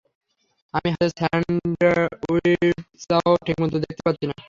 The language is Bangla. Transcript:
আমি হাতের স্যান্ডউইচটাও ঠিকমতো দেখতে পাচ্ছি না।